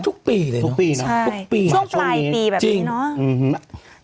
ทุกปีเลยเนอะทุกปีทุกปีช่วงปลายปีแบบนี้เนอะ